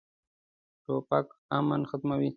توپک امن ختموي.